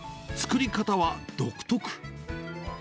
作り方は独特。